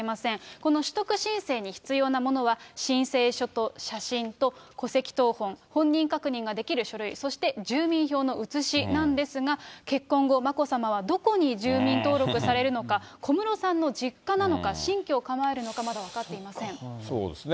この取得申請に必要なものは、申請書と写真と戸籍謄本、本人確認ができる書類、そして住民票の写しなんですが、結婚後、眞子さまはどこに住民登録されるのか、小室さんの実家なのか、新居を構えるのか、そうですね。